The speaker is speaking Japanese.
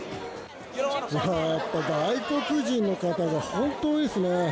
やっぱ外国人の方が本当に多いですね。